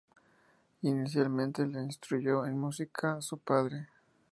Inicialmente le instruyó en música su padre.